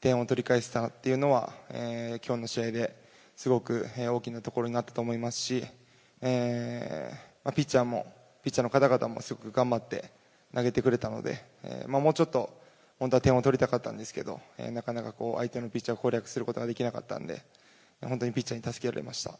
点を取り返したのは、きょうの試合ですごく大きなところになったと思いますし、ピッチャーも、ピッチャーの方々もすごく頑張って投げてくれたので、もうちょっと、本当は点を取りたかったんですけど、なかなかこう、相手のピッチャーを攻略することができなかったんで、本当にピッチャーに助けられました。